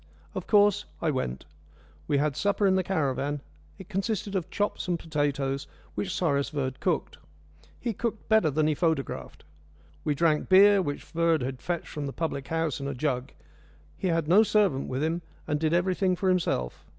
Of course I went. We had supper in the caravan. It consisted of chops and potatoes, which Cyrus Verd cooked. He cooked better than he photographed. We drank beer, which Verd had fetched from the public house in a jug. He had no servant with him, and did everything for himself.